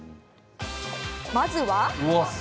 まずは。